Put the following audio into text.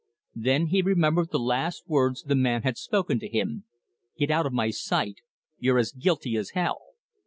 Then he remembered the last words the man had spoken to him "Get out of my sight. You're as guilty as hell!"